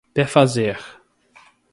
perfazer